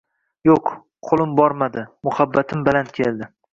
Yo’q, qo’lim bormadi, muhabbatim baland keldi